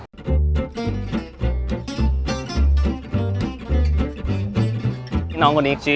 น้องของนี้ชื่อน้องไอรีนชื่อ